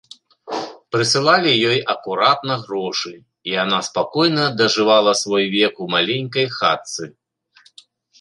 Прысылалі ёй акуратна грошы, і яна спакойна дажывала свой век у маленькай хатцы.